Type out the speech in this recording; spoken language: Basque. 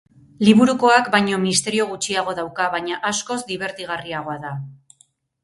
Liburukoak baino misterio gutxiago dauka, baina askoz dibertigarriagoa da.